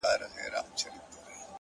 هغه چي هيڅوک نه لري په دې وطن کي،